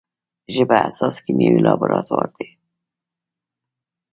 ژبه حساس کیمیاوي لابراتوار دی.